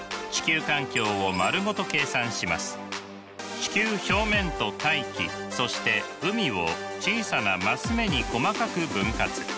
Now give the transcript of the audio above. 地球表面と大気そして海を小さな升目に細かく分割。